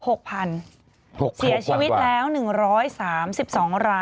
๖๐๐๐วะวะเสียชีวิตแล้ว๑๓๒รายนะคะ